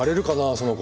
その子。